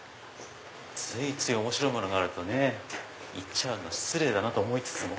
ついつい面白いものがあるとね行っちゃう失礼だと思いつつも。